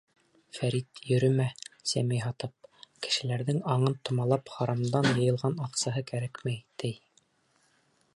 Фәрит, йөрөмә, сәмәй һатып, кешеләрҙең аңын томалап харамдан йыйылған аҡсаһы кәрәкмәй, ти.